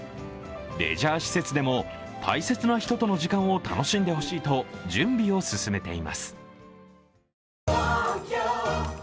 レジャー施設でも大切な人との時間を楽しんでほしいと準備を進めています。